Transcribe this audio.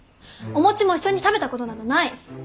お餅も一緒に食べたことなどない！